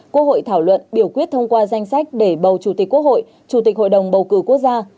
quốc hội thảo luận biểu quyết thông qua danh sách để bầu chủ tịch quốc hội chủ tịch hội đồng bầu cử quốc gia